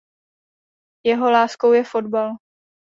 Jeho láskou je fotbal.